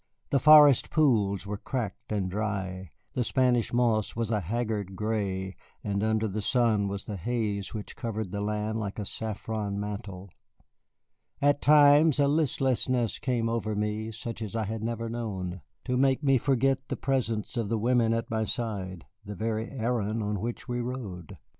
The forest pools were cracked and dry, the Spanish moss was a haggard gray, and under the sun was the haze which covered the land like a saffron mantle. At times a listlessness came over me such as I had never known, to make me forget the presence of the women at my side, the very errand on which we rode.